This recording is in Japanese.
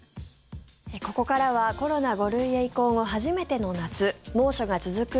ここからはコロナ５類へ移行後初めての夏猛暑が続く